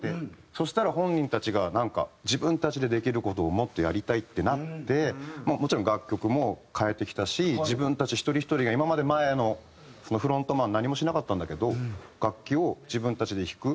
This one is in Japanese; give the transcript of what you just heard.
そしたら本人たちがなんか自分たちでできる事をもっとやりたいってなってもちろん楽曲も変えてきたし自分たち一人ひとりが今まで前のフロントマン何もしなかったんだけど楽器を自分たちで弾く。